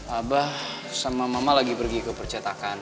abah sama mama lagi pergi ke percetakan